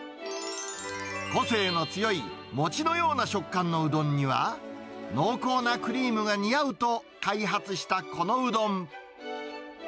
個性の強い餅のような食感のうどんには、濃厚なクリームが似合うと、開発したこのうどん。